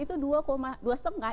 itu dua dua setengah